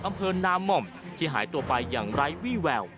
อำเภอนามหม่อมที่หายตัวไปอย่างไร้วี่แวว